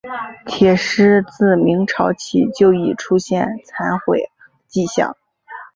铁狮自明朝起就已出现残毁迹象。